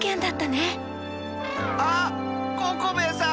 あっココベエさん！